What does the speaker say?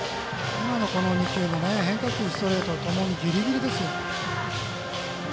今の２球は変化球、ストレートともにギリギリですよ。